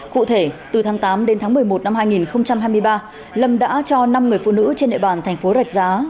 cụ thể từ tháng tám đến tháng một mươi một năm hai nghìn hai mươi ba lâm đã cho năm người phụ nữ trên nội bàn tp rạch giá